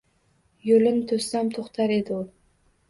Yoʻlin toʻssam, toʻxtar edi u.